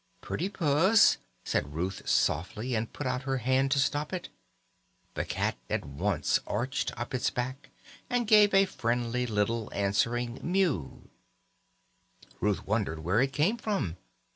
"Pretty puss!" said Ruth softly, and put out her hand to stop it. The cat at once arched up its back and gave a friendly little answering mew. Ruth wondered where it came from.